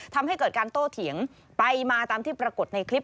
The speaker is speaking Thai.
ทำให้เกิดการโต้เถียงไปมาตามที่ปรากฏในคลิป